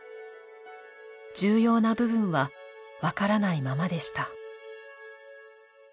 重要な部分はわからないままでした。